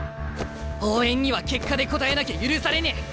応援には結果で応えなきゃ許されねえ。